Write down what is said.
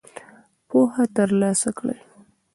پوهه تر لاسه کړئ